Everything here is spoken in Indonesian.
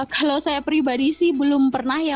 kalau saya pribadi sih belum pernah ya